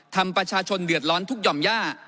ทำประชาชนเดือดร้อนทุกหย่อมย่า